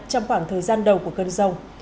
trong khoảng thời gian đầu của cơn giông